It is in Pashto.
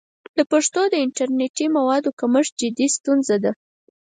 د پښتو د انټرنیټي موادو کمښت جدي ستونزه ده.